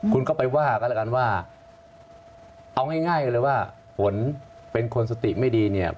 คุณก็ไปว่ากันแล้วกันว่าเอาง่ายเลยว่าฝนเป็นคนสติไม่ดีเนี่ย